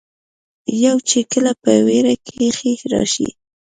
يو چې کله پۀ وېره کښې راشي